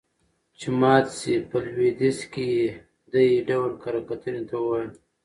چې مات شي. په لويديځ کې يې دې ډول کره کتنې ته ووايه.